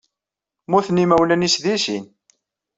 Mmuten yimawlan-nnes deg sin.